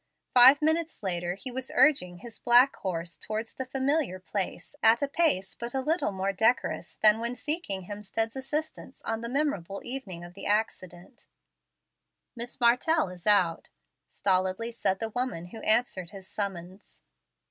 Five minutes later he was urging his black horse towards the familiar place at a pace but a little more decorous than when seeking Hemstead's assistance on the memorable even ing of the accident. "Miss Martell is out," stolidly said the woman who answered his summons.